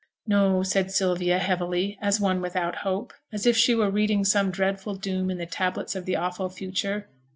'No,' said Sylvia, heavily, as one without hope as if she were reading some dreadful doom in the tablets of the awful future.